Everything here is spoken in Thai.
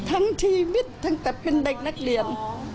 ทั้งชีวิตตั้งแต่เป็นเด็กนักเรียน